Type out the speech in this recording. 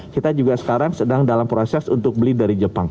kita juga sekarang sedang dalam proses untuk beli dari jepang